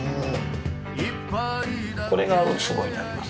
これがうつぼになります。